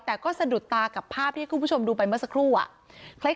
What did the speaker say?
แต่ก็สะดุดตากับภาพที่คุณผู้ชมดูไปเมื่อสักครู่อะ